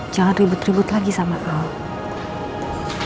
jangan ribut ribut lagi sama allah